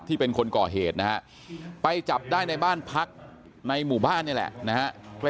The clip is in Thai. เป็นคนก่อเหตุนะฮะไปจับได้ในบ้านพักในหมู่บ้านนี่แหละนะฮะ